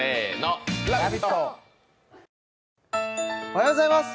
おはようございます